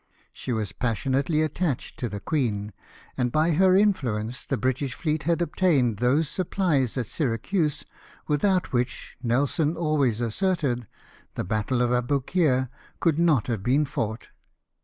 She was passionately attached to the queen ; and by her influence the British fleet had obtained those supplies at Syracuse without which, Nelson always asserted, the battle of Aboukir could not have been fouofht.